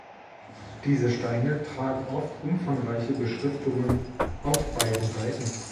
Diese Steine tragen oft umfangreiche Beschriftungen auf beiden Seiten.